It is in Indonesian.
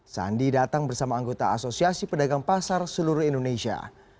sandi datang bersama anggota asosiasi pedagang pasar seluruh indonesia